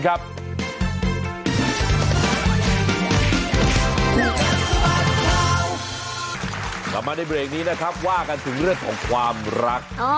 กลับมาในเบรกนี้นะครับว่ากันถึงเรื่องของความรัก